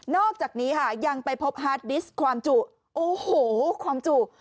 อกจากนี้ค่ะยังไปพบฮาร์ดดิสต์ความจุโอ้โหความจุ